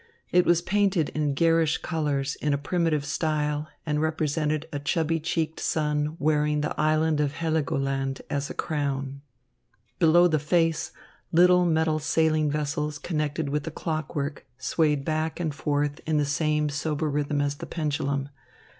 It was painted in garish colors in a primitive style and represented a chubby cheeked sun wearing the Island of Heligoland as a crown. Below the face, little metal sailing vessels connected with the clockwork swayed back and forth in the same sober rhythm as the pendulum.